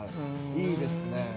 ◆いいですね。